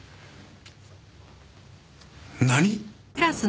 何！？